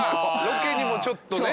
ロケにもちょっとね。